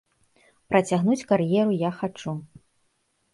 Працягнуць кар'еру я хачу.